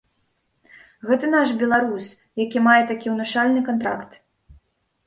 Гэта наш беларус, які мае такі ўнушальны кантракт.